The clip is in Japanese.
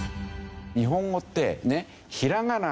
日本語ってねひらがな